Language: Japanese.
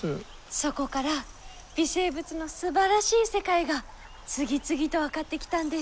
そこから微生物のすばらしい世界が次々と分かってきたんです。